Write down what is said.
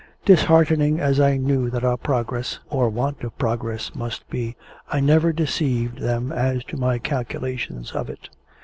Disheartening as I knew that our progress, or want of progress, must be, I never deceived them as to my calculations of it.